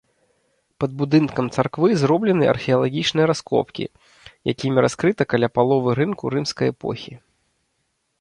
Пад будынкам царквы зроблены археалагічныя раскопкі, якімі раскрыта каля паловы рынку рымскай эпохі.